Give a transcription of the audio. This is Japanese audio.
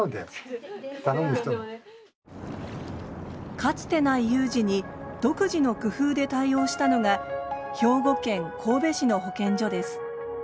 かつてない有事に独自の工夫で対応したのが兵庫県神戸市の保健所です。